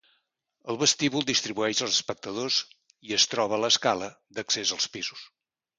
El vestíbul distribueix els espectadors i es troba l'escala d'accés als pisos.